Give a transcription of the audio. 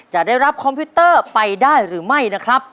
จะได้รับคอมพิวเตอร์ไปได้หรือไม่นะครับ